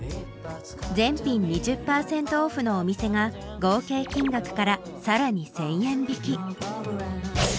全品２０％オフのお店が合計金額からさらに１０００円引き。